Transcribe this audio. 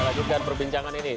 kita lanjutkan perbincangan ini